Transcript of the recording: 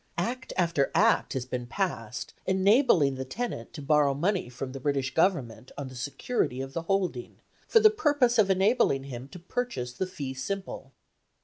Act after Act has been passed enabling the tenant to borrow money from the British Government on the security of the holding, for the purpose of enabling him to purchase the fee simple.